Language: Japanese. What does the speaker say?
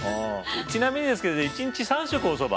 ちなみにですけど１日３食おそば？